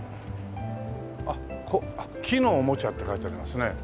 あっ「木のおもちゃ」って書いてありますね。